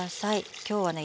今日はね